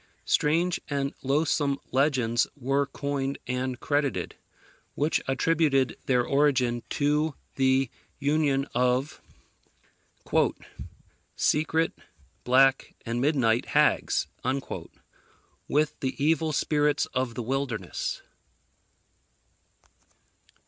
Strange and loathsome legends were coined and credited, which attributed their origin to the union of "Secret, black, and midnight hags" with the evil spirits of the wilderness.